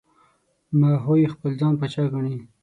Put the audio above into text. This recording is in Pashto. ماهوی خپل ځان پاچا ګڼي.